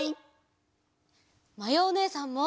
まやおねえさんも！